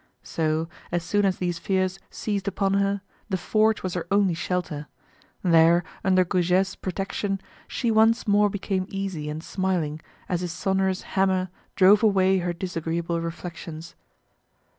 So, as soon as these fears seized upon her, the forge was her only shelter; there, under Goujet's protection, she once more became easy and smiling, as his sonorous hammer drove away her disagreeable reflections.